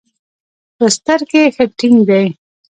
په ستر کښې ښه ټينګ دي.